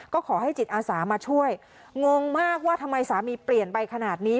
ก็ขอให้จิตอาสามาช่วยงงมากว่าทำไมสามีเปลี่ยนไปขนาดนี้